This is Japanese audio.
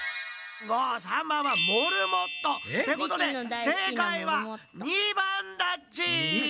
③ばんはモルモット。ってことでせいかいは②ばんだっち！